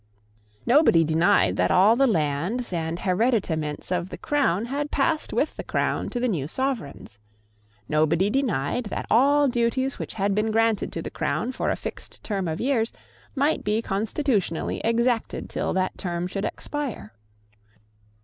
Nobody denied that all the lands and hereditaments of the Crown had passed with the Crown to the new Sovereigns. Nobody denied that all duties which had been granted to the Crown for a fixed term of years might be constitutionally exacted till that term should expire.